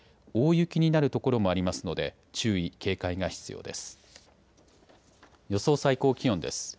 大雪になる所もありますので注意、警戒が必要です。